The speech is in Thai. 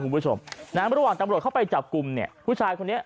คุณผู้ชมนะระหว่างตำรวจเข้าไปจับกลุ่มเนี่ยผู้ชายคนนี้